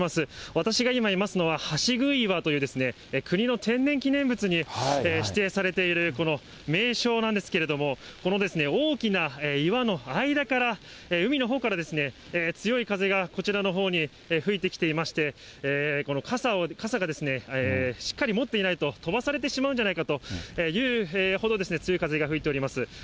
私が今、いますのは、橋杭岩というですね、国の天然記念物に指定されている、この名勝なんですけれども、この大きな岩の間から、海のほうからですね、強い風がこちらのほうに吹いてきていまして、この傘が、しっかり持っていないと、飛ばされてしまうんじゃないかというほど、強い風が吹いております。